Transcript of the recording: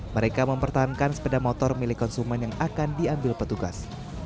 mereka mempertahankan sepeda motor milik konsumen yang akan diambil petugas